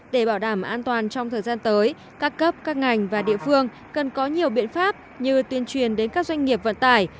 để bảo đảm an toàn trong thời gian tới các cấp các ngành và địa phương cần có nhiều biện pháp như tuyên truyền đến các doanh nghiệp vận tải